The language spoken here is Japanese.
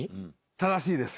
正しいです。